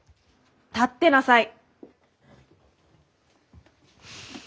立ってなさい。